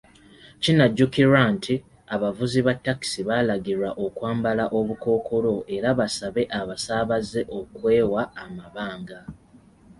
Kinajjukirwa nti, abavuzi ba takisi balagirwa okwambala obukookolo era basabe abasaabaze okwewa amabanga.